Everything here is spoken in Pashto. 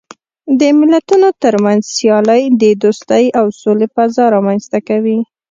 د ملتونو ترمنځ سیالۍ د دوستۍ او سولې فضا رامنځته کوي.